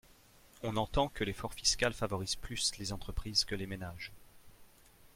On entend que l’effort fiscal favorise plus les entreprises que les ménages.